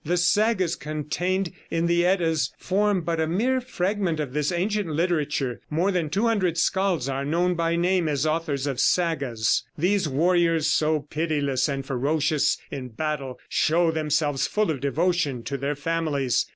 The sagas contained in the Eddas form but a mere fragment of this ancient literature. More than 200 scalds are known by name as authors of sagas. These warriors, so pitiless and ferocious in battle, show themselves full of devotion to their families.